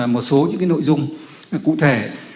một số những cái nội dung cụ thể